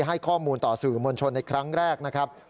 ให้ข้อมูลต่อสื่อมวลชนในครั้งแรกนะครับ